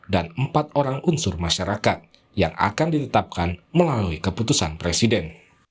dan empat orang unsur masyarakat yang akan ditetapkan melalui keputusan presiden